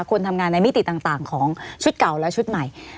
คนทำงานในมิติต่างของชุดเก่าและชุดใหม่